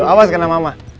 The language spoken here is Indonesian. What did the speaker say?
awas kena mama